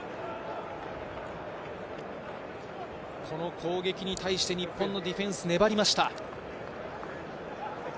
攻撃に対して日本のディフェンス、粘りました。